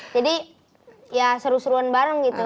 jadi ya seru seruan bareng gitu